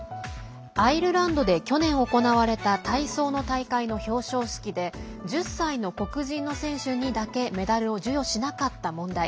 アイルランドで去年行われた体操の大会の表彰式で１０歳の黒人の選手にだけメダルを授与しなかった問題。